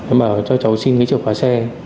em bảo cho cháu xin cái chìa khóa xe